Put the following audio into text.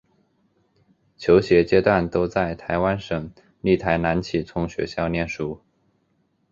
求学阶段都在台湾省立台南启聪学校念书。